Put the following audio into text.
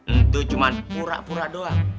itu cuman pura pura doang